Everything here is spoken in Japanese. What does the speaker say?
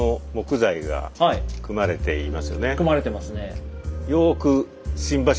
組まれてますね。